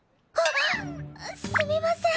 すみません